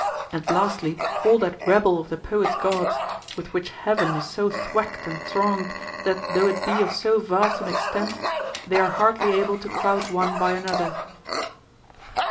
And lastly, all that rabble of the poets' gods, with which heaven is so thwacked and thronged, that though it be of so vast an extent, they are hardly able to crowd one by another.